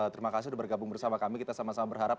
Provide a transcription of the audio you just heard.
terima kasih sudah bergabung bersama kami kita sama sama berharap